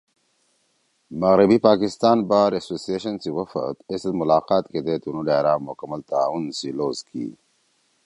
مغربی پاکستان بار ایسوسی ایشن سی وفد ایسیت مُلاقات کیدے تنُو ڈھأرا مکمل تعاون سی لوز کی